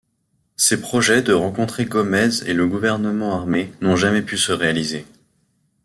Ses projets de rencontrer Gómez et le Gouvernement armé n'ont jamais pu se réaliser.